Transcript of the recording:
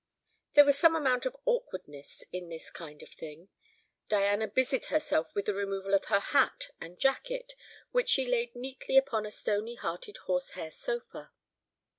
There was some amount of awkwardness in this kind of thing. Diana busied herself with the removal of her hat and jacket, which she laid neatly upon a stony hearted horsehair sofa.